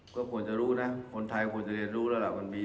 ก็ควรจะรู้นะคนไทยควรจะเรียนรู้แล้วล่ะมันมี